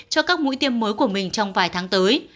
cho các mũi tiêm mới của mình trong vài tháng tới